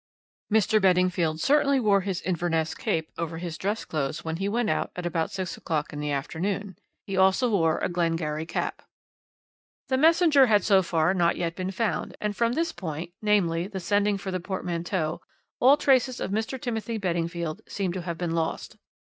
"Mr. Beddingfield certainly wore his Inverness cape over his dress clothes when he went out at about six o'clock in the afternoon. He also wore a Glengarry cap. "The messenger had so far not yet been found, and from this point namely, the sending for the portmanteau all traces of Mr. Timothy Beddingfield seem to have been lost.